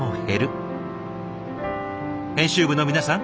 編集部の皆さん